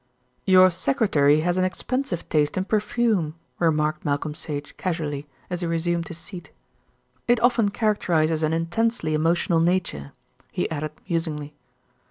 "Your secretary has an expensive taste in perfume," remarked Malcolm Sage casually, as he resumed his seat. "It often characterises an intensely emotional nature," he added musingly.